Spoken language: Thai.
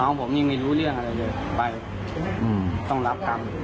น้องผมนี่ไม่รู้เรื่องอะไรเลยไปต้องรับกรรม